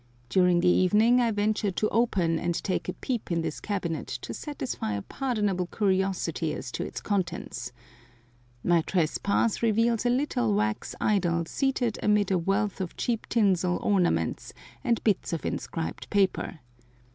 During the evening I venture to open and take a peep in this cabinet to satisfy a pardonable curiosity as to its contents. My trespass reveals a little wax idol seated amid a wealth of cheap tinsel ornaments, and bits of inscribed paper.